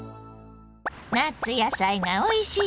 夏野菜がおいしい